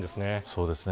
そうですね。